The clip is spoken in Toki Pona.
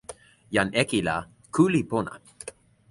jan Eki la ku li pona.